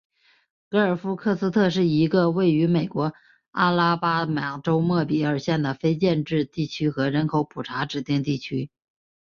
格尔夫克斯特是一个位于美国阿拉巴马州莫比尔县的非建制地区和人口普查指定地区。